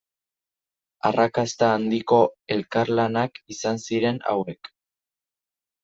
Arrakasta handiko elkarlanak izan ziren hauek.